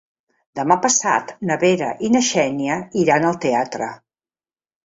Demà passat na Vera i na Xènia iran al teatre.